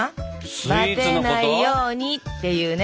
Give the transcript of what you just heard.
「バテないように」っていうね